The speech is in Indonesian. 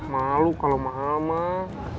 malu kalau mahal mahal